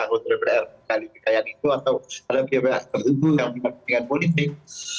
atau ada pihak pihak tertentu yang punya kepentingan politik